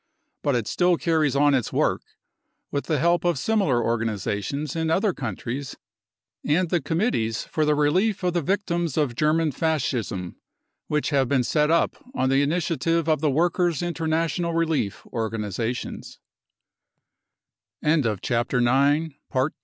But it still carries on its work, with the help of similar organisations in other countries and the 44 Committees for the Relief of the Victims of German Fascism 95 which have been set up on the initiative of the Workers 9 International Relief organisation